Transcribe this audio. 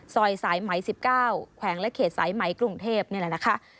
สายไหม๑๙แขวงและเขตสายไหมกรุงเทพนี่แหละนะคะ